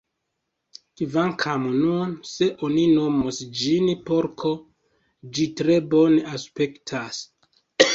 Kvankam nun, se oni nomos ĝin porko, ĝi tre bone aspektas.